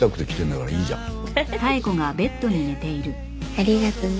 ありがとうね。